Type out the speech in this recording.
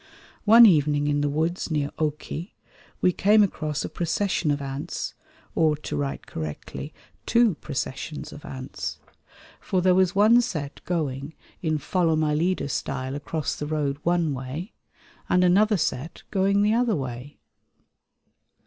One evening in the woods near Occeh we came across a procession of ants or, to write correctly, two processions of ants; for there was one set going in "follow my leader" style across the road one way, and another set going the other way.